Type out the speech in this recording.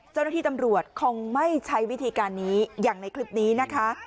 เจ้าหน้าที่ตำรวจคงไม่ใช้วิธีการนี้อย่างในคลิปนี้นะคะ